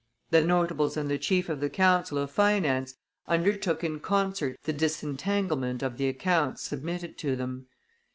The notables and the chief of the council of finance undertook in concert the disentanglement of the accounts submitted to them.